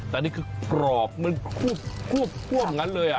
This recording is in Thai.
แต่นี่คือกรอบมันควบงั้นเลยอ่ะ